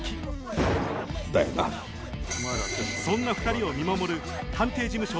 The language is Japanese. そんな２人を見守る探偵事務所